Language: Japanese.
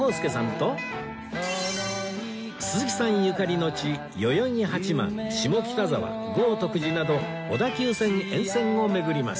鈴木さんゆかりの地代々木八幡下北沢豪徳寺など小田急線沿線を巡ります